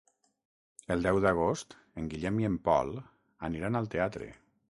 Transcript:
El deu d'agost en Guillem i en Pol aniran al teatre.